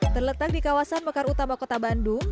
terletak di kawasan mekar utama kota bandung